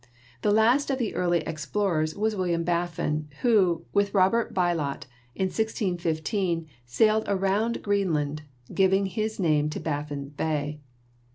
The last of the early explor ers was William Baffin, who, with Robt. Bylot, in 161 5 sailed around Greenland, giving his name to Baffin's Bay.